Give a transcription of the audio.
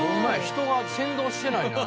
人が先導してないな。